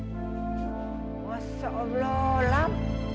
masya allah lampu